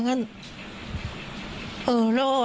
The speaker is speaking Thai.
ครับ